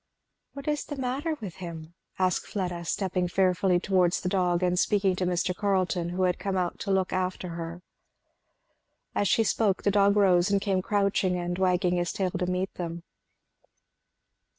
"What is the matter with him?" asked Fleda, stepping fearfully towards the dog, and speaking to Mr. Carleton who had come out to look after her. As she spoke the dog rose and came crouching and wagging his tail to meet them.